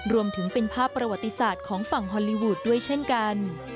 รวมถึงเป็นภาพประวัติศาสตร์ของฝั่งฮอลลีวูดด้วยเช่นกัน